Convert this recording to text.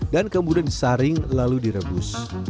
dan kemudian disaring lalu direbus